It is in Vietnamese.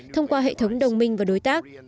thông qua hệ thống đồng minh và đối tác